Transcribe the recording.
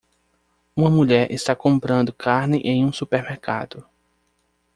Uma mulher está comprando carne em um supermercado.